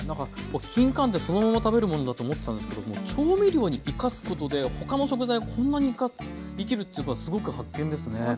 きんかんってそのまま食べるものだと思ってたんですけども調味料に生かすことで他の食材をこんなに生かす生きるっていうかすごく発見ですね。